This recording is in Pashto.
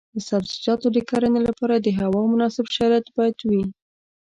د سبزیجاتو د کرنې لپاره د هوا مناسب شرایط باید وي.